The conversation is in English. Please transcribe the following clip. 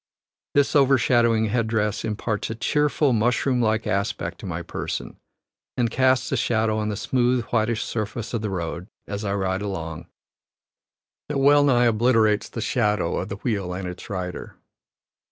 This overshadowing head dress imparts a cheerful, mushroom like aspect to my person, and casts a shadow on the smooth whitish surface of the road, as I ride along, that well nigh obliterates the shadow of the wheel and its rider.